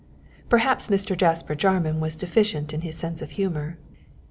Perhaps Mr. Jasper Jarman was deficient in his sense of humour.